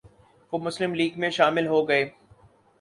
وہ مسلم لیگ میں شامل ہوگئے